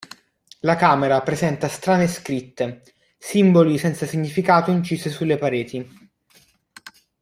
La camera presenta strane scritte, simboli senza significato incise sulle pareti.